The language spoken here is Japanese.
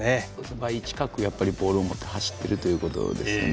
倍近くボールを持って走っているということですよね。